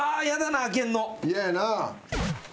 嫌やな。